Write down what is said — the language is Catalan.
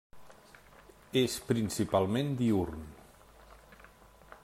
És principalment diürn.